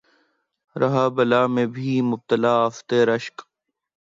رہا بلا میں بھی میں مبتلائے آفت رشک